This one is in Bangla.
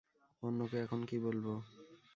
অন্যকে এখন কি বলবো?